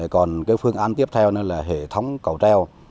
còn cái phương án tiếp theo nữa là hệ thống cầu treo